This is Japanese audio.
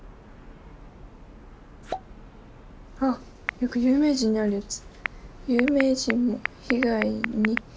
よく有名人にあるやつ！